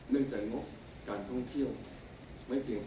เนื่องจากใหโรคการท่องเที่ยวไม่เปลี่ยนพอ